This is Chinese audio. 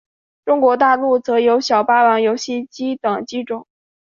中国大陆则有小霸王游戏机等机种。